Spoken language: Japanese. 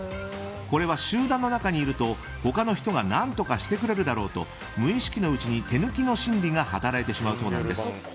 これは集団の中にいると他の人が何とかしてくれるだろうと無意識のうちに手抜きの心理が働いてしまうそうです。